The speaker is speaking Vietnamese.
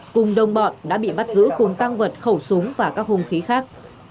cùng đồng bọn đã bị bắt giữ cùng tăng vật khẩu súng và các hung khí khác